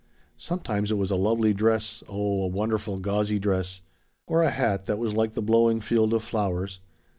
Sometimes it was a lovely dress oh a wonderful gauzy dress or a hat that was like the blowing field of flowers.